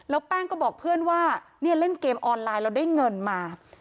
แล้วแป้งก็บอกเพื่อนว่าเนี่ยเล่นเกมออนไลน์แล้วได้เงินมา